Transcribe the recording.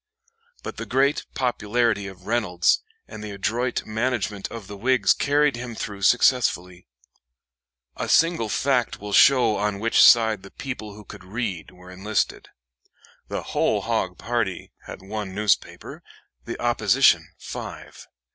But the great popularity of Reynolds and the adroit management of the Whigs carried him through successfully. A single fact will show on which side the people who could read were enlisted. The "whole hog" party had one newspaper, the opposition five.